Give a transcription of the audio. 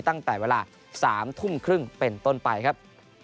ตั้งแต่เวลา๓ทุ่มครึ่งเป็นต้นไปครับ